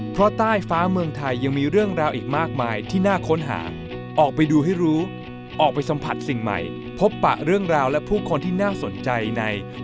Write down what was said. เพราะใต้ฟ้าเมืองไทยยังมีเรื่องราวอีกมากมายที่น่าค้นหาออกไปดูให้รู้ออกไปสัมผัสสิ่งใหม่พบปะเรื่องราวและผู้คนที่น่าสนใจใน